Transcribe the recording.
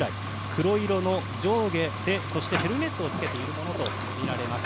黒色の上下で、ヘルメットを着けているものとみられます。